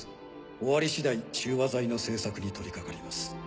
終わり次第中和剤の製作に取りかかります。